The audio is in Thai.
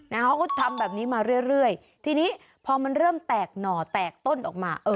เขาก็ทำแบบนี้มาเรื่อยเรื่อยทีนี้พอมันเริ่มแตกหน่อแตกต้นออกมาเออ